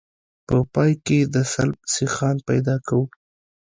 په پای کې د سلب سیخان پیدا کوو